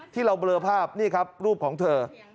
ที่เราเบลอภาพนี่ครับรูปของเธอ